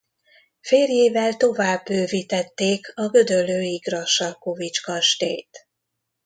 Férjével tovább bővítették a gödöllői Grassalkovich-kastélyt.